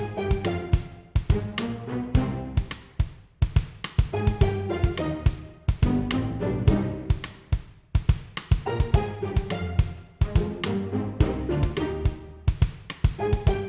ncus di sini aja deh